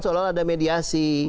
soalnya ada mediasi